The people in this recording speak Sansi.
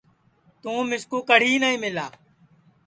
تُوں مِسکُو کڑھی نائی مِلا